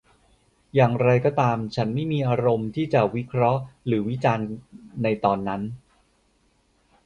อย่างไรก็ตาม ฉันไม่มีอารมณ์ที่จะวิเคราะห์หรือวิจารณ์ในตอนนั้น